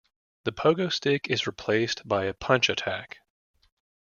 The pogo stick is replaced by a punch attack.